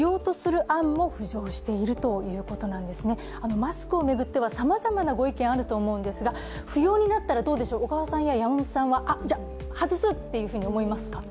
マスクを巡ってはさまざまなご意見あると思うんですが不要になったら小川さんや山本さんはあっ、じゃあ外すっていうふうに思いますか？